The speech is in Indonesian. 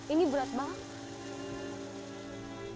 ini berat banget